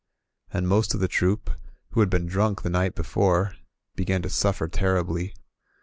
And most of the troop, who had been drunk the night before, began to suffer terribly.